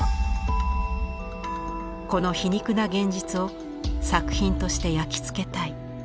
「この皮肉な現実を作品として焼きつけたい」。